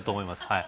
はい。